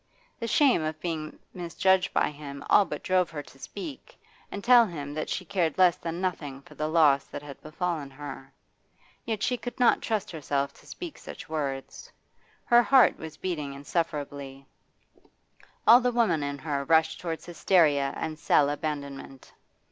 The shame of being misjudged by him all but drove her to speak, and tell him that she cared less than nothing for the loss that had befallen her. Yet she could not trust herself to speak such words. Her heart was beating insufferably; all the woman in her rushed towards hysteria and sell abandonment.